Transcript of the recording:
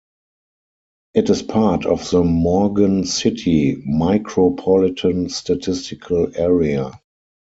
It is part of the Morgan City Micropolitan Statistical Area.